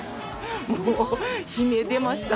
もう悲鳴出ました。